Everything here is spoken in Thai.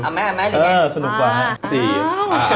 เอาไหมหรือไงอ่าสนุกมากฮะ